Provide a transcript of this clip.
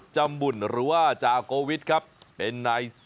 จริง